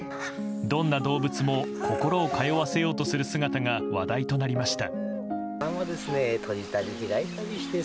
どんな動物も心を通わせようとする姿が話題となりました。